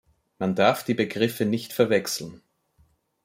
Man darf die Begriffe nicht verwechseln.